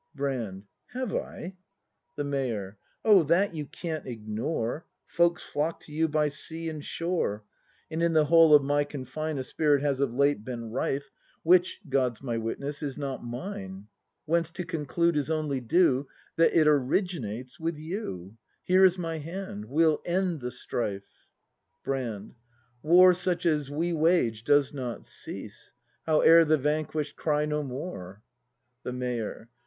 Have I ? Brand. The Mayor. Oh, that you can't ignore: Folks flock to you by sea and shore; And in the whole of my confine A spirit has of late been rife, ACT IV] BRAND 167 Which, God's my witness, is not mine; Whence to conclude is only due, That it originates with you. Here is my hand : we'll end the strife ! Brand. War such as we wage does not cease, Howe'er the vanquish'd cry "No more!" The Mayor.